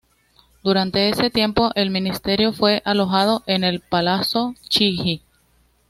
Durante ese tiempo el Ministerio fue alojado en el Palazzo Chigi.